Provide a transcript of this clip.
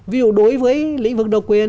ví dụ đối với lĩnh vực độc quyền